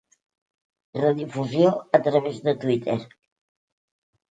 Redifusió a través de Twitter.